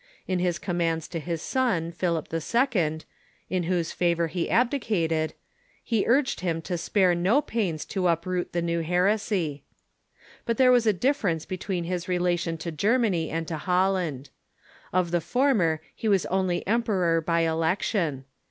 In his commands to his son, Philip II., in whose favor he abdicated, he urged him to spare no pains to uproot the new heresy. But there was a diflFerence between his rela tion to Germany and to Holland. Of the former he Avas only emperor by election.